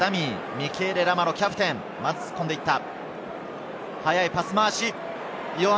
ミケーレ・ラマロ、キャプテンが突っ込んでいった。